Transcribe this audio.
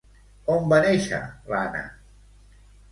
On va néixer l'Anna?